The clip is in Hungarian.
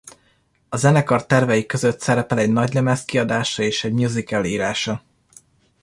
A zenekar tervei között szerepel egy nagylemez kiadása és egy musical írása.